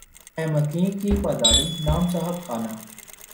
ہے مکیں کی پا داری نام صاحب خانہ